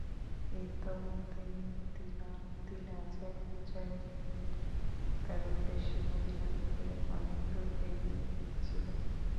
ইতোমধ্যেই মদীনার তিন হাজার মুজাহিদ মুতার উদ্দেশে মদীনা হতে অনেক দূর এগিয়ে গিয়েছিল।